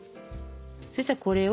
そしたらこれを。